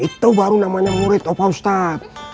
itu baru namanya murid opa ustadz